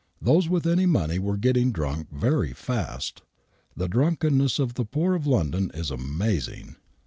Those with any money were getting drunk very fast. The drunkenness of the poor of London is amazing.